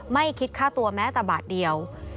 ไม่คิดค่าตัวแม้แต่บาทเดียว